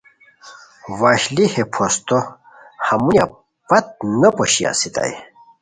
وشلی ہے پھوستو ہمونیہ پت نو پوشی استائے